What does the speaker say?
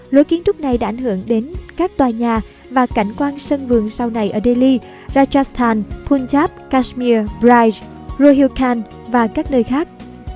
lối kiến trúc này đã ảnh hưởng đến các tòa nhà và cảnh quan sân vườn sau này ở delhi rajasthan punjab kashmir braj rojokan và các nơi khác